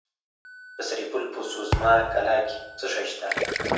د سرپل په سوزمه قلعه کې څه شی شته؟